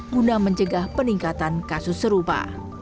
guna mencegah peningkatan kasus serupa